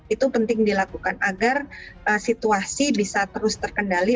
itu penting dilakukan agar situasi bisa terus terkendali